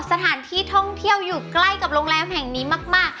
สถานที่ท่องเที่ยวอยู่ใกล้กับโรงแรมแห่งนี้มาก